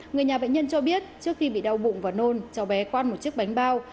người nhà bệnh nhân cho biết trước khi bị đau bụng và nôn cháu bé quan một chiếc bánh bao